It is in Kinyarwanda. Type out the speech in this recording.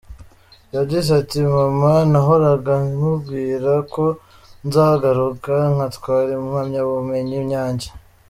Yagize ati “Mama nahoraga nkubwira ko nzagaruka ngatwara impamyabumenyi yanjye”.